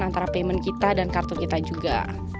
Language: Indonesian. antara payment kita dan kartu kita juga